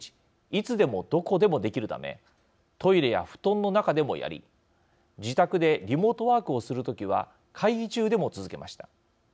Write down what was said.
いつでもどこでも、できるためトイレや布団の中でもやり自宅でリモートワークをするときは会議中でも続けました。